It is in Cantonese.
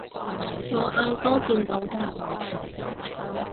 我阿哥見到㗎